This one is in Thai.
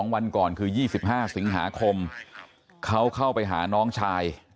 วันก่อนคือ๒๕สิงหาคมเขาเข้าไปหาน้องชาย